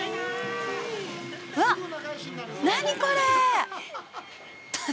わっ、何これ！